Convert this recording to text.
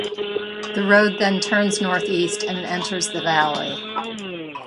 The road then turns northeast and enters the valley.